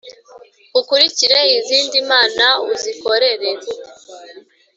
ukurikire izindi mana uzikorere. “